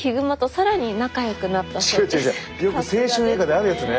よく青春映画であるやつね。